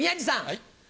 はい。